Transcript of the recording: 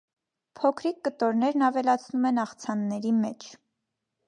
Փոքրիկ կտորներն ավելացնում են աղցանների մեջ։